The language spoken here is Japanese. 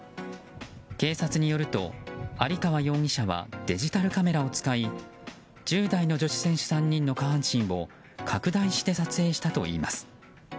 警察によると有川容疑者はデジタルカメラを使い１０代の女子選手３人の下半身を拡大して撮影したといいます。